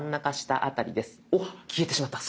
おっ消えてしまった。